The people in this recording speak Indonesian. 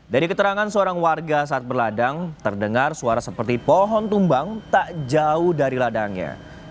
dari keterangan seorang warga saat berladang terdengar suara seperti pohon tumbang tak jauh dari ladangnya